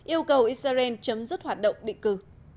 yêu cầu israel chấm dứt hoạt động định cư